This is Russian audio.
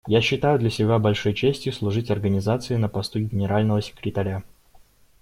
Я считаю для себя большой честью служить Организации на посту Генерального секретаря.